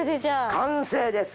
完成です。